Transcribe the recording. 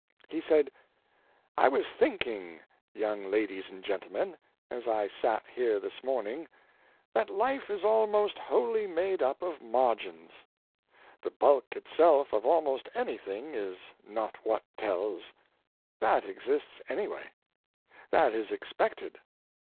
He said: " I was thinking, young ladies and gentlemen, as I sat here this morning, that life is almost wholly made up of margins. The bulk itself of almost anything is not what tells. That exists anyway. That is expected.